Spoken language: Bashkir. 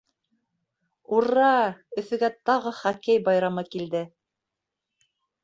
Ур-ра, Өфөгә тағы хоккей байрамы килде!